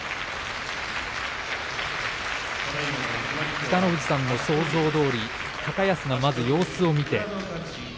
北の富士さんの想像どおり高安がまず様子を見て。